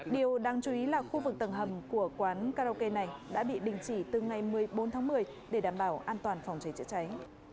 điều đáng chú ý là khu vực tầng hầm của quán karaoke này đã bị đình chỉ từ ngày một mươi bốn tháng một mươi để đảm bảo an toàn phòng cháy chữa cháy